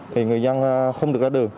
thì người dân không được ra đường